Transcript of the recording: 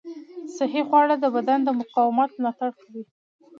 صحي خواړه د بدن د مقاومت ملاتړ کوي.